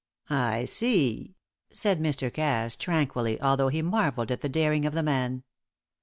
"I see," said Mr. Cass tranquilly, although he marvelled at the daring of the man.